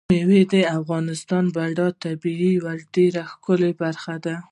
مېوې د افغانستان د بډایه طبیعت یوه ډېره ښکلې برخه ده.